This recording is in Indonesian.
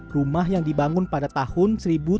rumah yang dibangun pada tahun seribu tujuh ratus sembilan belas